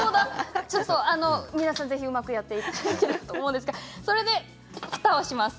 皆さん、うまくやっていただけると思うんですがこれでふたをします。